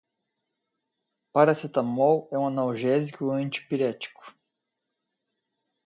Paracetamol é um analgésico e antipirético.